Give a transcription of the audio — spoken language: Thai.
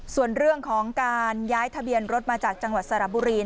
ส่วนเรื่องของการย้ายทะเบียนรถมาจากจังหวัดสระบุรี